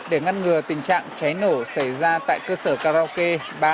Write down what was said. để ngăn ngừa tình trạng cháy nổ xảy ra tại cơ sở karaoke